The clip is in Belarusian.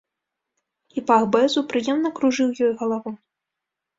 І пах бэзу прыемна кружыў ёй галаву.